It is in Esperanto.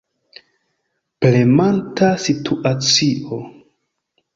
Premanta situacio.